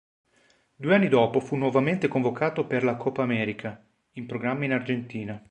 Due anni dopo fu nuovamente convocato per la Copa América, in programma in Argentina.